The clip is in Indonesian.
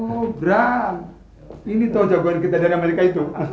oh brang ini tahu jagoan kita dari amerika itu